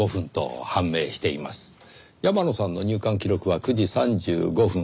山野さんの入館記録は９時３５分。